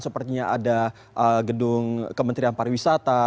sepertinya ada gedung kementerian pariwisata